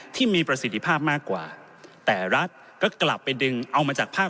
ที่มีประสิทธิภาพมากกว่าแต่รัฐก็กลับไปดึงเอามาจากภาค